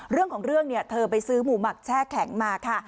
เรื่องของเรื่องเนี่ยเธอไปซื้อหมูหมักแช่แข็งมาค่ะ